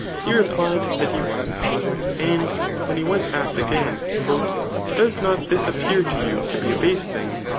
he replied that he was. And when he was again asked, ^^ Does not this appear to you to be a base thing